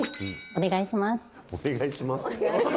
「お願いします」。